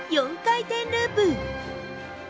４回転ループ。